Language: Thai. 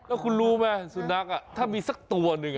แล้วคุณรู้ไหมสุนัขถ้ามีสักตัวหนึ่ง